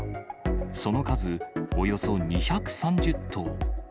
その数、およそ２３０頭。